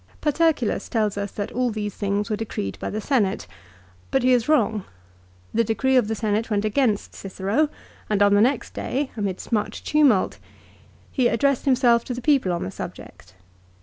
Paterculus tells us that all these things were decreed by the Senate. 1 But he is wrong. The decree of the Senate went against Cicero, and on the next day, amidst much tumult, he addressed himself to the people on the subject.